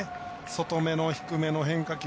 外めの低めの変化球。